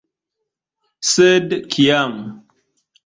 Sed kiam?